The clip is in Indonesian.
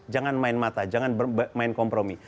jangan main mata jangan main kompromi